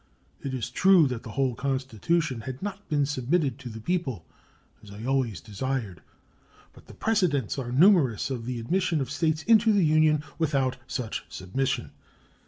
It is true that the whole constitution had not been submitted to the people, as I always desired; but the precedents are numerous of the admission of States into the Union without such submission.